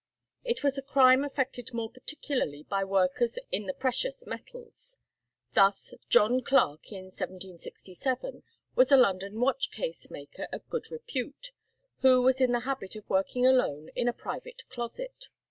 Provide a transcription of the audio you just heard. It was a crime affected more particularly by workers in the precious metals. Thus John Clarke, in 1767, was a London watch case maker of good repute, who was in the habit of working alone in a private closet.